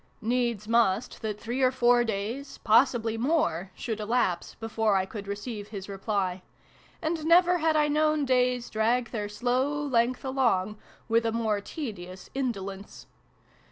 Needs must that three or four days pos sibly more should elapse before I could receive his reply ; and never had I known days drag their slow length along with a more tedi ous indolence.